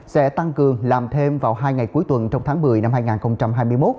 sẽ tăng cường làm thêm vào hai ngày cuối tuần trong tháng một mươi năm hai nghìn hai mươi một